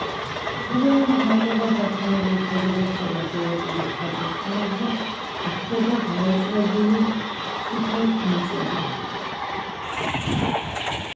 შედარებით ნაკლებად დაქანებულ ფერდობებსა და გორაკების ფართო თხემებზე გვხვდება გაეწრებული წითელმიწები.